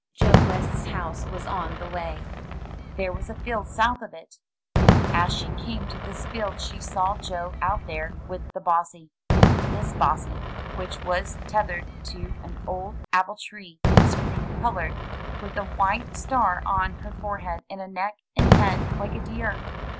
Joe West's house was on the way. There was a field south of it. As she came to this field she saw Joe out there with the bossy. This bossy, which was tethered to an old apple tree, was cream colored, with a white star on her forehead and a neck and head like a deer.